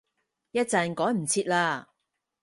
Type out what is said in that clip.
一陣趕唔切喇